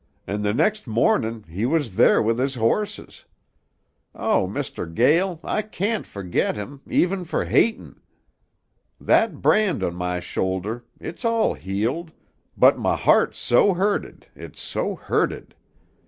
An' the next mornin' he was there with his horses. Oh, Mr. Gael, I can't ferget him, even for hatin'. That brand on my shoulder, it's all healed, but my heart's so hurted, it's so hurted.